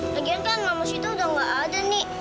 lagian kan mama sita udah gak ada nek